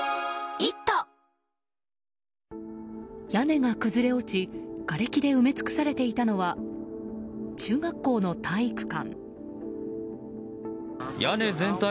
屋根が崩れ落ちがれきで埋め尽くされていたのは中学校の体育館。